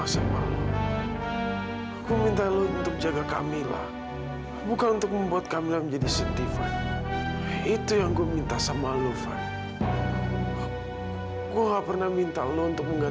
sampai jumpa di video selanjutnya